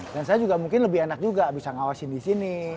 dan saya juga mungkin lebih enak juga bisa ngawasin disini